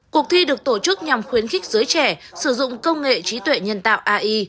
cuộc thi được tổ chức nhằm khuyến khích giới trẻ sử dụng công nghệ trí tuệ nhân tạo ai